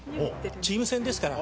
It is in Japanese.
チーム戦ですから。